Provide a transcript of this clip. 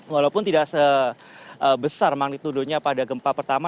walaupun tidak sebesar magnitudonya pada gempa pertama